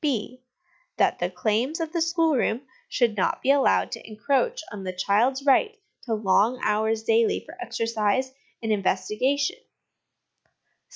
() That the claims of the schoolroom should not be allowed to encroach on the child's right to long hours daily for exercise and investigation.